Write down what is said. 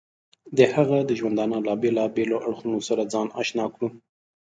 د هغه د ژوندانه له بېلابېلو اړخونو سره ځان اشنا کړو.